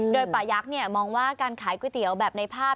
โดยป่ายักษ์มองว่าการขายก๋วยเตี๋ยวแบบในภาพ